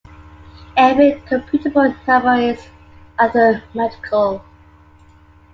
Every computable number is arithmetical.